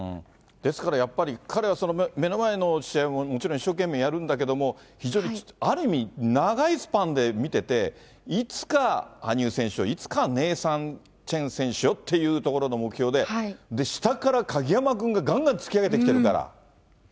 ですからやっぱり、彼は目の前の試合ももちろん一生懸命やるんだけども、非常にある意味、長いスパンで見てて、いつか羽生選手を、いつかネイサン・チェン選手をっていうところの目標で、下から鍵山君ががんがん突き上げてきてるから。